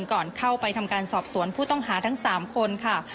ก่อนเข้าไปทำการสอบสวนผู้ต้องหาทั้ง๓คนค่ะ